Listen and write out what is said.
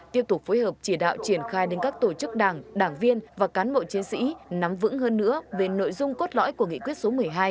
tiếp tục phối hợp chỉ đạo triển khai đến các tổ chức đảng đảng viên và cán bộ chiến sĩ nắm vững hơn nữa về nội dung cốt lõi của nghị quyết số một mươi hai